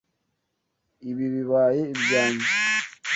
Ibi bibaye ibyanjye.